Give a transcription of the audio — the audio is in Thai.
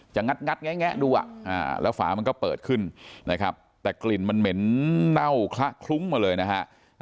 งัดแงะดูแล้วฝามันก็เปิดขึ้นนะครับแต่กลิ่นมันเหม็นเน่าคละคลุ้งมาเลยนะฮะ